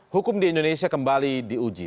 hukum di indonesia kembali diuji